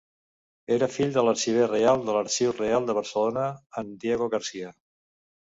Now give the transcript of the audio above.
Era fill de l'Arxiver Reial de l'Arxiu Reial de Barcelona en Diego Garcia.